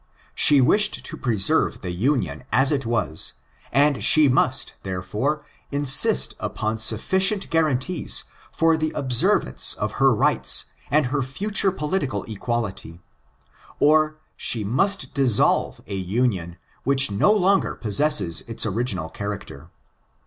She wished to preserve the Union as it was, and she must, therefore, insist upon sufficient guaranties for the observance of her rights and her future political equality, or she must dissolve a Union which no longer possesses its original character.